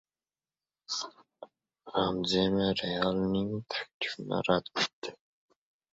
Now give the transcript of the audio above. Benzema "Real"ning taklifini rad etdi